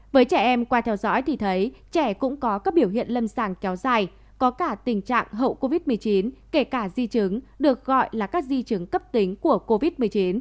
với trẻ em qua theo dõi thì thấy trẻ cũng có các biểu hiện lâm sàng kéo dài có cả tình trạng hậu covid một mươi chín kể cả di chứng được gọi là các di chứng cấp tính của covid một mươi chín